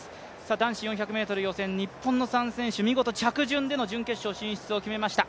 男子４００ｍｍ予選、日本の３選手見事、着順での準決勝進出を決めました。